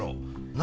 何？